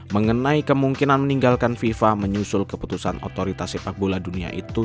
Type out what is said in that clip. mengenai kemungkinan meninggalkan fifa menyusul keputusan otoritas sepak bola dunia itu